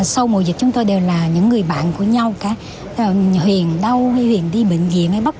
sau mùa dịch chúng tôi đều là những người bạn của nhau cả huyền đau hay huyền đi bệnh viện hay bắp